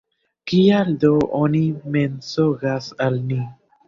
Kial do oni mensogas al ni?